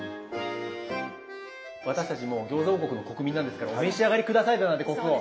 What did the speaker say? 私たちもう餃子王国の国民なんですから「お召し上がり下さい」だなんて国王。